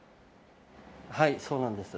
はい、そうなんです。